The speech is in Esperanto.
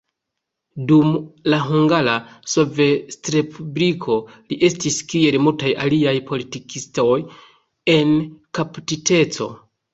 Dum la Hungara Sovetrespubliko, li estis kiel multaj aliaj politikistoj, en kaptiteco.